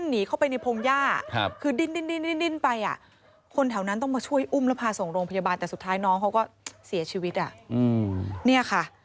ไหนผสมให้จนโม่ไปหมดอะ